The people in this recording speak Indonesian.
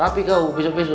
rapi kau besok besok